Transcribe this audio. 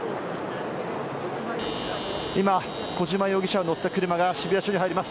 今、小島容疑者を乗せた車が渋谷署に入ります。